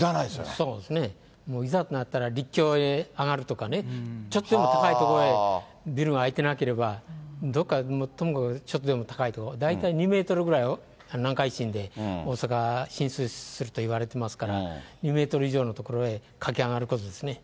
そうですね、もういざとなったら、陸橋へ上がるとかね、ちょっとでも高い所へビルが開いてなければ、どこかともかくちょっとでも高い所、大体２メートルぐらいを、南海地震で大阪、浸水するといわれてますから、２メートル以上の所へ駆け上がることですね。